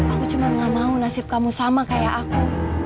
aku cuma gak mau nasib kamu sama kayak aku